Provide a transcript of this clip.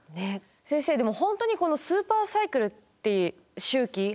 先生でも本当にこのスーパーサイクルっていう周期